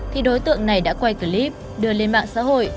thì đối tượng này đã quay clip đưa lên mạng xã hội